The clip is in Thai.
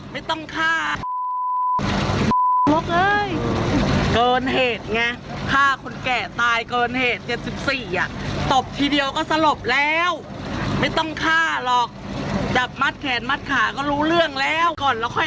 ไม่ค่อยเอาติดคุก